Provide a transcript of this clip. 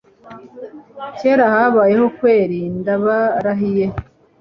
Kera habayeho kweri ndabarahiye